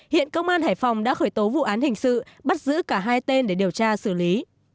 hiện công an hải phòng đã khởi tố vụ án hình sự bắt giữ cả hai tên để điều tra xử lý